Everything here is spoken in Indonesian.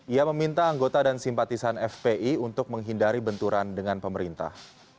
ia meminta anggota dan simpatisan fpi untuk menghindari benturan dengan pemerintah